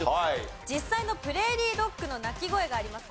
実際のプレーリードッグの鳴き声があります。